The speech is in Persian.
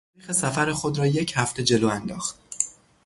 تاریخ سفر خود را یک هفته جلو انداخت.